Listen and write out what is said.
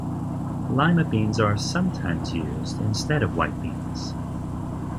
Lima beans are sometimes used instead of white beans.